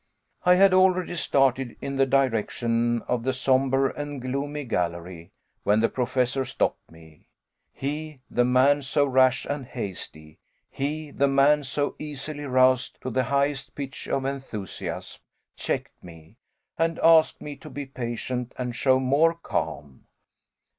I had already started in the direction of the somber and gloomy gallery when the Professor stopped me; he, the man so rash and hasty, he, the man so easily roused to the highest pitch of enthusiasm, checked me, and asked me to be patient and show more calm.